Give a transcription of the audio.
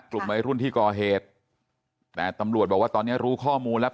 กลุ่มวัยรุ่นที่ก่อเหตุแต่ตำรวจบอกว่าตอนนี้รู้ข้อมูลแล้ว